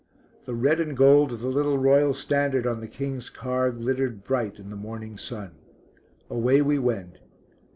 The red and gold of the little Royal Standard on the King's car glittered bright in the morning sun. Away we went.